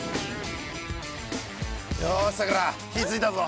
よしさくら火ついたぞ。